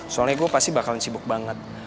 soalnya gue pasti bakal sibuk banget